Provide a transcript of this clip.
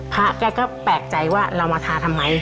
แกก็แปลกใจว่าเรามาทาทำไม